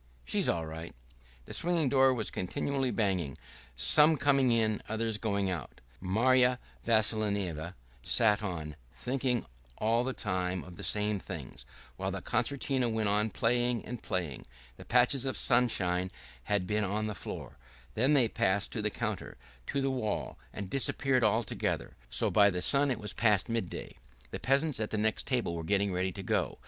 "She's all right!" The swing door was continually banging, some coming in, others going out. Marya Vassilyevna sat on, thinking all the time of the same things, while the concertina went on playing and playing. The patches of sunshine had been on the floor, then they passed to the counter, to the wall, and disappeared altogether; so by the sun it was past midday. The peasants at the next table were getting ready to go.